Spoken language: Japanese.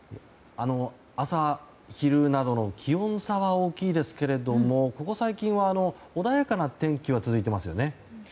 朝昼などの気温差は大きいですけれどもここ最近は穏やかな天気が続いていますよね。